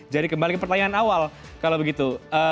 jadi kembali ke pertanyaan awal kalau begitu